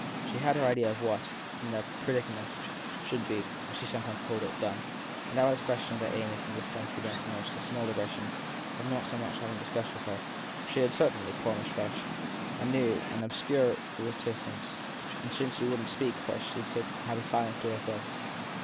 She had her idea of what, in their prodigious predicament, should be, as she called 264 THE TH1ED PERSON it, ( done/ and that was a question that Amy from this time began to nurse the small aggression of not so much as discuss ing with her. She had certainly, poor Miss Frush, a new, an obscure reticence, and since she wouldn t speak first she should have silence to her fill.